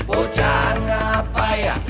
bocah ngapai ya